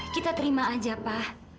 kita terima aja pak